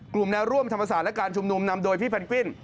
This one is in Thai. แนวร่วมธรรมศาสตร์และการชุมนุมนำโดยพี่แพนกวิน